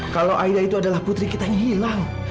kalau ayah itu adalah putri kita yang hilang